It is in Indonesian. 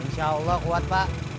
insya allah kuat pak